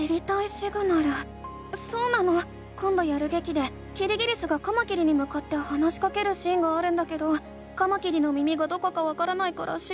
そうなのこんどやるげきでキリギリスがカマキリにむかって話しかけるシーンがあるんだけどカマキリの耳がどこかわからないから知りたいの。